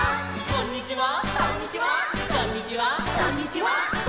「こんにちは」